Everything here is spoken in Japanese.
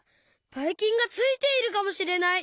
バイキンがついているかもしれない！